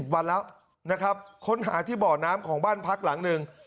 วันแล้วนะครับค้นหาที่เบาะน้ำของบ้านพักหลังหนึ่ง